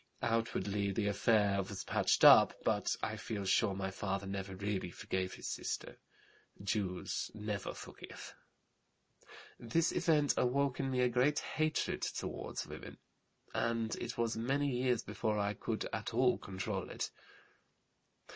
Outwardly the affair was patched up; but I feel sure my father never really forgave his sister. Jews never forgive. "This event awoke in me a great hatred toward women, and it was many years before I could at all control it.